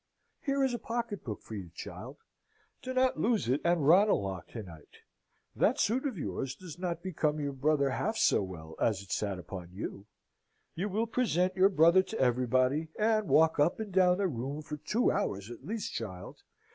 Here is a pocket book for you, child! Do not lose it at Ranelagh to night. That suit of yours does not become your brother half so well as it sat upon you! You will present your brother to everybody, and walk up and down the room for two hours at least, child.